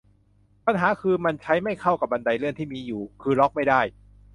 ปัญหาคือ มันใช้ไม่เข้ากับบันไดเลื่อนที่มีอยู่ คือล็อกไม่ได้